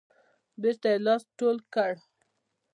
بیرته یې لاس ټول کړ.